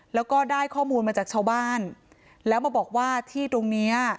แล้วก็ได้ข้อมูลมาจากชาวบ้านแล้วมาบอกว่าที่ตรงเนี้ย